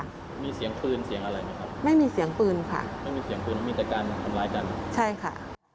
เสียงปืนเสียงอะไรไหมครับไม่มีเสียงปืนค่ะไม่มีเสียงปืนไม่มีแต่การทำร้ายกันใช่ค่ะ